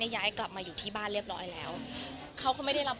ย้ายกลับมาอยู่ที่บ้านเรียบร้อยแล้วเขาก็ไม่ได้รับ